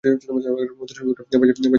মধুসূদন বললে, বাজিয়ে শোনাও আমাকে।